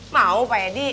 mau pak edi